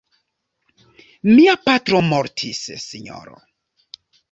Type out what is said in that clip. Mia patro mortis, sinjoro.